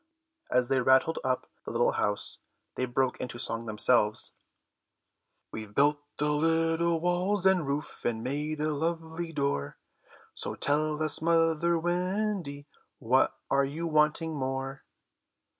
As they rattled up the little house they broke into song themselves: "We've built the little walls and roof And made a lovely door, So tell us, mother Wendy, What are you wanting more?"